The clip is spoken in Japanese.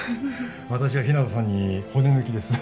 私は日向さんに骨抜きです